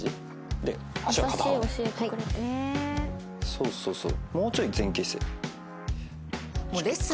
そうそうそう。